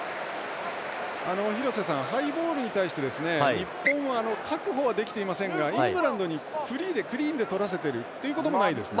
廣瀬さん、ハイボールに対して日本は確保はできていませんがイングランドにフリーでクリーンでとらせてるということもないですよね？